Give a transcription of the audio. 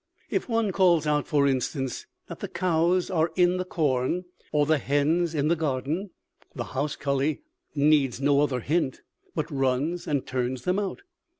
If one calls out, for instance, that the cows are in the corn, or the hens in the garden, the house colley needs no other hint, but runs and turns them out.